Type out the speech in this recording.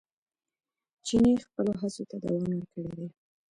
چیني خپلو هڅو ته دوام ورکړی دی.